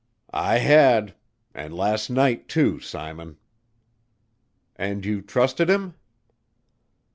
"I had. And last night, too, Simon." "And you trusted him?"